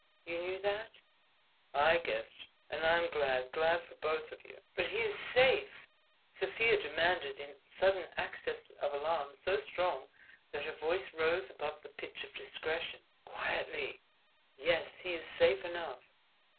You knew that?" "I guessed, and I am glad, glad for both of you." "But he is safe?" Sofia demanded in sudden access of alarm so strong that her voice rose above the pitch of discretion. "Quietly. Yes, he is safe enough."